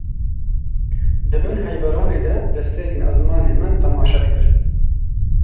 Di bin heyvronê de li stêrkên ezmanê me temaşe dikir